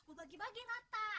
gue bagi bagi rata